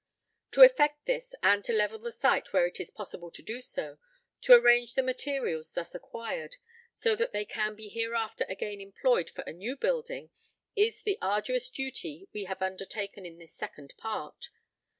To effect this, and to level the site where it is possible to do so, to arrange the materials thus acquired, so that they can be hereafter again employed for a new building, is the arduous duty we have undertaken in this Second Part.